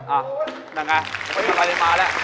อ้าวนั่นไงพี่ทำอะไรมาแล้วค่ะ